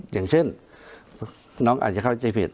อย่างเช่นน้องอาจจะเข้าใจผิด